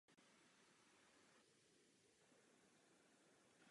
Ovládání je elektrické.